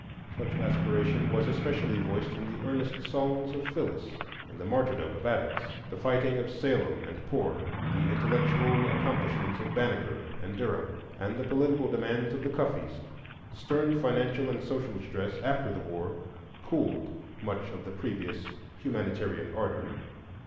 Such aspiration was especially voiced in the earnest songs of Phyllis, in the martyrdom of Attucks, the fighting of Salem and Poor, the intellectual accomplishments of Banneker and Derham, and the political demands of the Cuffes. Stern financial and social stress after the war cooled much of the previous humanitarian ardor.